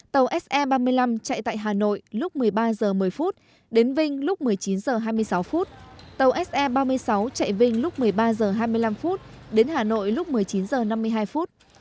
tàu se ba mươi năm chạy tại hà nội lúc một mươi ba h một mươi đến vinh lúc một mươi chín h hai mươi sáu phút tàu se ba mươi sáu chạy vinh lúc một mươi ba h hai mươi năm đến hà nội lúc một mươi chín h năm mươi hai phút